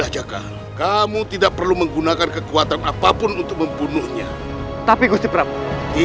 jangan jangan ya si prat